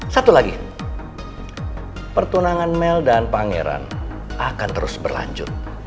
satu lagi pertunangan mel dan pangeran akan terus berlanjut